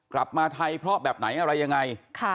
กลับมาไทยเพราะแบบไหนอะไรยังไง